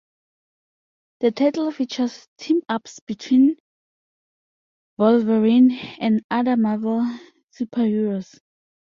The title features team-ups between Wolverine and other Marvel superheroes.